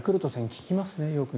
聞きますね、よく。